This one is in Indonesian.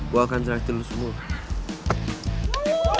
gue akan selesai lo semua